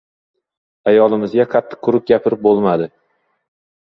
Ayolimizga qattiq-quruq gapirib bo‘lmadi.